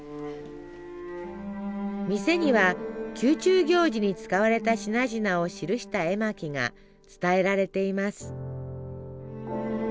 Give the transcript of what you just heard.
店には宮中行事に使われた品々を記した絵巻が伝えられています。